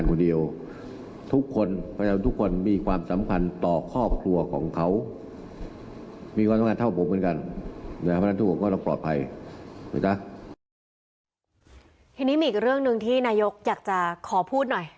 ทีนี้มีอีกเรื่องหนึ่งที่นายกอยากจะขอพูดหน่อย